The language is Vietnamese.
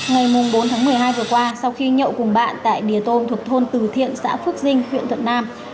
ngày bốn tháng một mươi hai vừa qua sau khi nhậu cùng bạn tại địa tô thuộc thôn từ thiện xã phước dinh huyện thuận nam